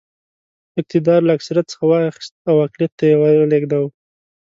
اقتدار له اکثریت څخه واخیست او اقلیت ته یې ور ولېږداوه.